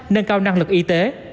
nâng cao năng lực y tế